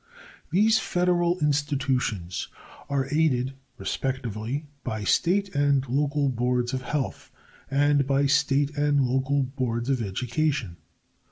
These Federal institutions are aided, respectively, by state and local boards of health and by state and local boards of education.